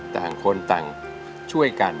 ต่างคนต่างช่วยกัน